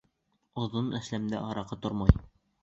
Оҙон Әсләмдә араҡы тормай.